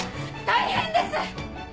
大変です！